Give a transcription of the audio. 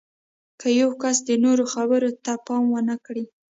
که یو کس د نورو خبرو ته پام ونه کړي